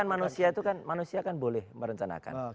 bukan ibaratnya manusia kan boleh merencanakan